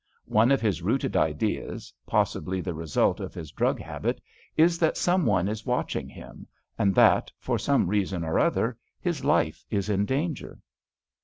One of his rooted ideas, possibly the result of his drug habit, is that some one is watching him, and that, for some reason or other, his life is in danger."